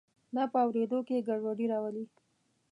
دا په اوریدو کې ګډوډي راولي.